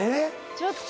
ちょっと。